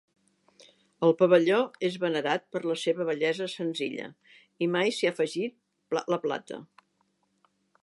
El pavelló és venerat per la seva bellesa senzilla i mai s'hi ha afegit la plata.